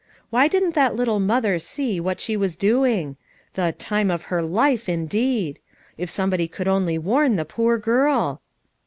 Why didn't that little mother see what she was doing? the "time of her life," indeed! If somebody could only warn the poor girl.